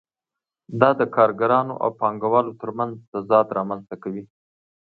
دا د کارګرانو او پانګوالو ترمنځ تضاد رامنځته کوي